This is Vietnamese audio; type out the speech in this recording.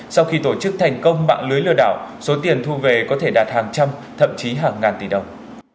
sau khi tổ chức thành công mạng lưới lừa đảo số tiền thu về có thể đạt hàng trăm thậm chí hàng ngàn tỷ đồng